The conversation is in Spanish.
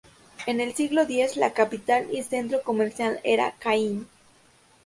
En el siglo X la capital y centro comercial era Kain.